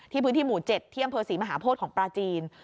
ที่พื้นที่หมู่๗เที่ยมเพอสิมหาโพธิของปราจีน